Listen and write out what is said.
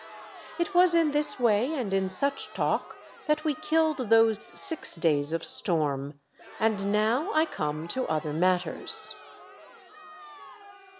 It was in this way, and in such talk, that we killed those six days of storm ; and now I come to other matters.